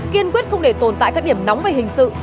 kiên quyết không để tồn tại các điểm nóng về hình sự